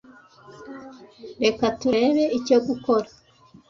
Reka turebe icyo gukora.